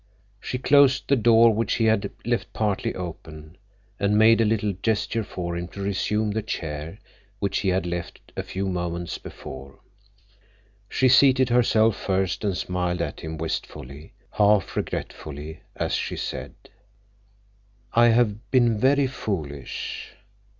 She closed the door which he had left partly open, and made a little gesture for him to resume the chair which he had left a few moments before. She seated herself first and smiled at him wistfully, half regretfully, as she said: "I have been very foolish.